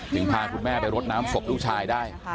พาคุณแม่ไปรดน้ำศพลูกชายได้